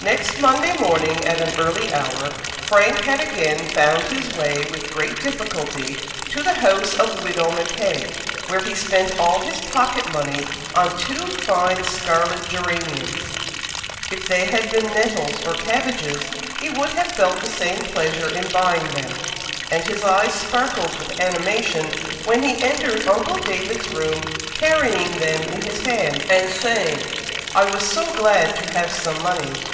Next Monday morning, at an early hour, Frank had again found his way with great difficulty to the house of Widow Mackay, where he spent all his pocket money on two fine scarlet geraniums. If they had been nettles or cabbages, he would have felt the same pleasure in buying them; and his eyes sparkled with animation when he entered uncle David's room, carrying them in his hand, and saying, "I was so glad to have some money!